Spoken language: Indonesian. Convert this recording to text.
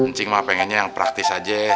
ncik mak pengennya yang praktis aja